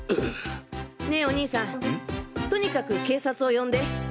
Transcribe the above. ねぇお兄さんとにかく警察を呼んで。